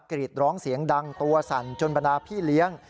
กรีดร้องเสียงดังตัวสั่นจนบรรดาพี่เลี้ยง